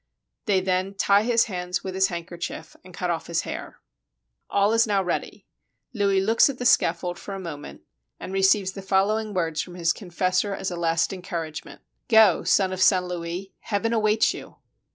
They then tie his hands with his handkerchief and cut off his hair. FRANCE All is now ready. Louis looks at the scaffold for a moment, and receives the following words from his con fessor as a last encouragement: '* Go, son of Saint Louis; Heaven awaits you!"